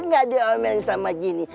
aku gak diomelin sama gini